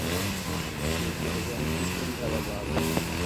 utekereza iki kuri aba bantu